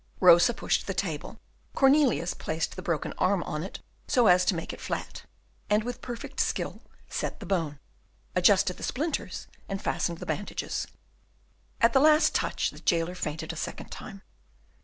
Rosa pushed the table, Cornelius placed the broken arm on it so as to make it flat, and with perfect skill set the bone, adjusted the splinters, and fastened the bandages. At the last touch, the jailer fainted a second time.